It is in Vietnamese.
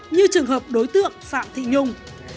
như trường hợp đối tượng phạm thị nhung